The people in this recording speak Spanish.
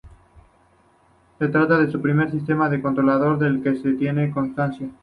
Se trata del primer sistema con controlador del que se tiene constancia.